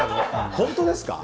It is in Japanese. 本当ですか？